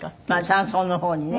山荘の方にね。